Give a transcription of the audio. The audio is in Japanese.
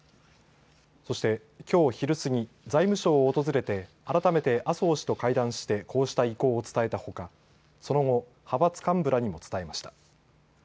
そしてきょう昼過ぎ、財務省を訪れて改めて麻生氏と会談してこうした意向を伝えたほかその後、派閥幹部らにも伝えました。